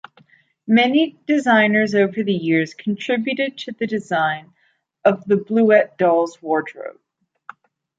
Many designers over the years contributed to the design of the Bleuette doll's wardrobe.